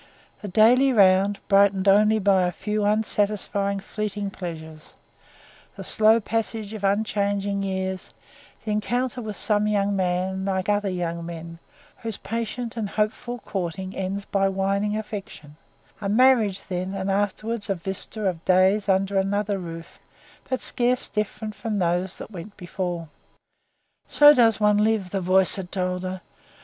The daily round, brightened only by a few unsatisfying, fleeting pleasures; the slow passage of unchanging years; the encounter with some young man, like other young men, whose patient and hopeful courting ends by winning affection; a marriage then, and afterwards a vista of days under another roof, but scarce different from those that went before. So does one live, the voice had told her.